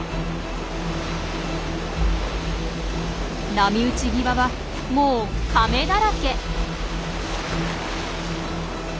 波打ち際はもうカメだらけ。